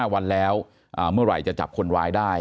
๕วันแล้วเมื่อไหร่จะจับคนร้ายได้